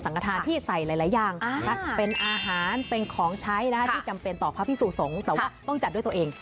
กระทานที่ใส่หลายอย่างเป็นอาหารเป็นของใช้ที่จำเป็นต่อพระพิสุสงฆ์แต่ว่าต้องจัดด้วยตัวเอง